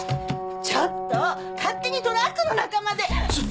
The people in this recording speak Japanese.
ちょっと勝手にトラックの中まで。